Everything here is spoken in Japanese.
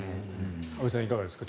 安部さん、いかがですか。